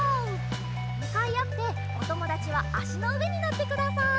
むかいあっておともだちはあしのうえにのってください。